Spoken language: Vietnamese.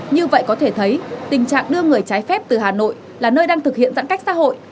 như vậy có thể thấy tình trạng đưa người trái phép từ hà nội là nơi đang thực hiện giãn cách xã hội